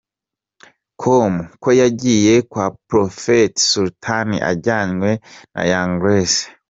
com ko yagiye kwa Prophet Sultan ajyanywe na Young Grace.